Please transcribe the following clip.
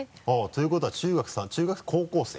ということは中学３年高校生？